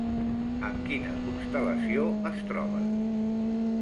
En quina constel·lació es troba?